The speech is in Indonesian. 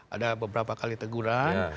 ada beberapa kali teguran